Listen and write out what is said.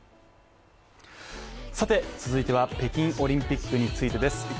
さて、続いては北京オリンピックについてです。